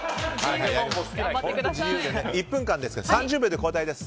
１分間ですが３０秒で交代です。